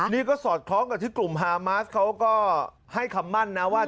นี่ก็สอดคล้องกับที่กลุ่มฮามาสเขาก็ให้คำมั่นนะว่า